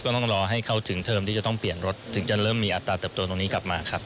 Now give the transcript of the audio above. ต้องรอให้เขาถึงเทอมที่จะต้องเปลี่ยนรถถึงจะเริ่มมีอัตราเติบโตตรงนี้กลับมาครับ